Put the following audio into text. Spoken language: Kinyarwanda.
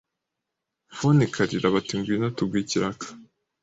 phone ikarira bati ngwino tuguhe ikiraka